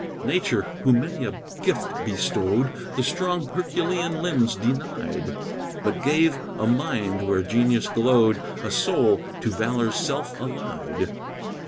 Nature, who many a gift bestowed, The strong herculean limbs denied, But gave a mind, where genius glowed, A soul, to valor's self allied.